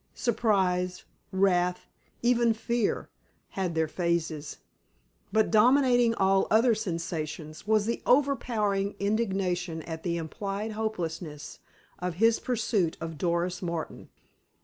Surprise, wrath, even fear, had their phases. But, dominating all other sensations, was an overpowering indignation at the implied hopelessness of his pursuit of Doris Martin.